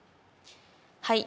はい。